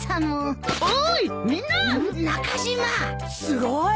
すごい！